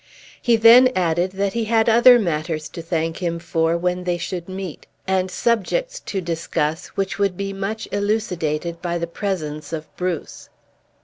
He then added that he had other matters to thank him for when they should meet, and subjects to discuss which would be much elucidated by the presence of Bruce.